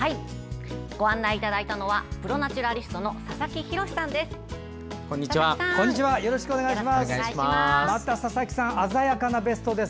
ご案内いただいたのはプロ・ナチュラリストの佐々木洋さんです。